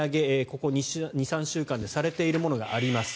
ここ２３週間でされているものもあります。